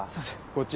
こっち。